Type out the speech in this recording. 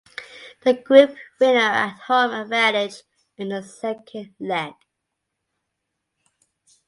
The group winner had home advantage in the second leg.